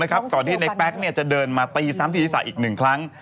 ก่อนที่ในแป๊กจะเดินมาตีซ้ำที่ศีรษะอีก๑ครั้ง